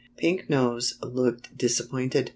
Pink Nose looked disappointed.